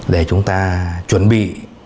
để chúng ta chuẩn bị